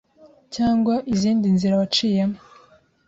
cyangwa izindi nzira waciyemo